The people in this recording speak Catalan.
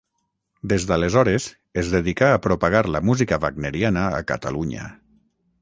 Des d'aleshores es dedicà a propagar la música wagneriana a Catalunya.